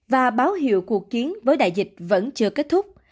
và báo hiệu cuộc chiến với đại dịch covid một mươi chín